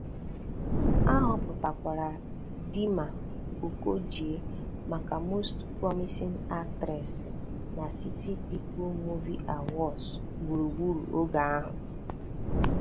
A họpụtakwara Dima-Okojie maka Most Promising Actress na City People Movie Awards gburugburu oge ahụ.